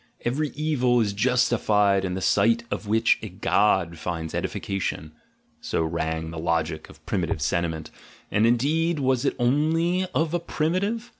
"Every evil is justified in the sight of which a god finds edification," so rang the logic of primitive sentiment — and, indeed, was it only of primitive?